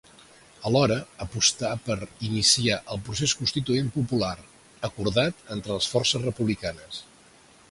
Alhora, aposta per iniciar el procés constituent popular ‘acordat entre les forces republicanes’.